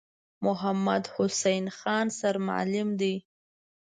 محمدحسین خان سرمعلم دی.